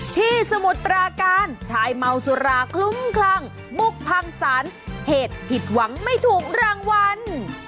สมุทรปราการชายเมาสุราคลุ้มคลั่งมุกพังสารเหตุผิดหวังไม่ถูกรางวัล